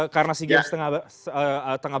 karena sea games tengah